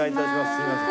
すいません。